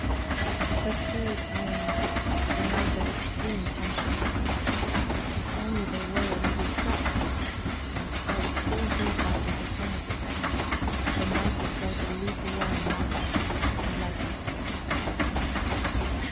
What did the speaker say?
The third iron night, a night of extremes! tension. If only there were a little frost! Instead, still heat after the sun of the day; the night is like a lukewarm marsh. I light my fire...